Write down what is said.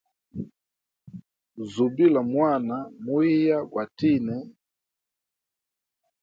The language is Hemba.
Zubila mwana, muhiya gwatine.